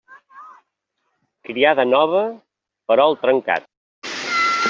Criada nova, perol trencat.